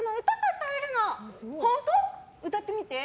歌ってみて。